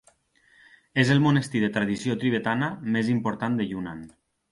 És el monestir de tradició tibetana més important de Yunnan.